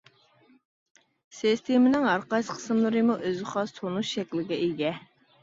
سىستېمىنىڭ ھەر قايسى قىسىملىرىمۇ ئۆزىگە خاس تونۇش شەكلىگە ئىگە.